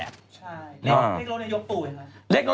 เลขลดในยกตู่ยังไง